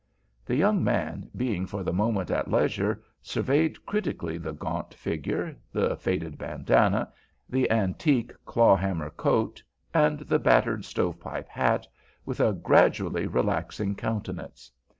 The young man, being for the moment at leisure, surveyed critically the gaunt figure, the faded bandanna, the antique clawhammer coat, and the battered stove pipe hat, with a gradually relaxing countenance.